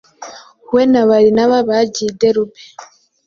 we na Barinaba bagiye i Derube.